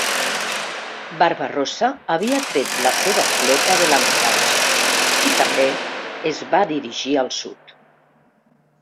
Barba-rossa havia tret la seva flota de l'ancoratge i, també, es va dirigir al sud.